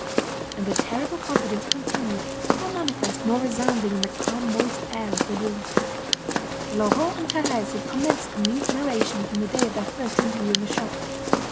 And the terrible confidence continued, more manifest, more resounding, in the calm moist air of the room. Laurent and Thérèse had commenced the mute narration from the day of their first interview in the shop.